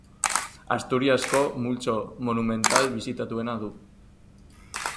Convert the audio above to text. Asturiasko multzo monumental bisitatuena du.